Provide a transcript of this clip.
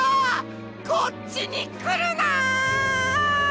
こっちにくるな！